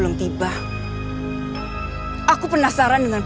harusnya sedikit lagi aku bisa mendapatkan arya arya anakku